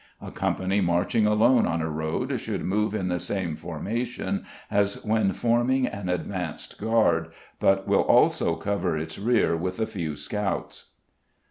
A company marching alone on a road should move in the same formation as when forming an advanced guard, but will also cover its rear with a few scouts.